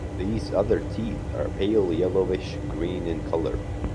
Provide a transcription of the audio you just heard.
These other teeth are pale yellowish green in colour.